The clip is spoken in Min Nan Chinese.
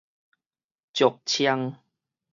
石像